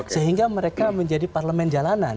sehingga mereka menjadi parlemen jalanan